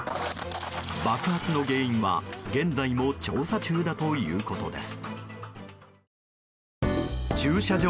爆発の原因は現在も調査中だということです。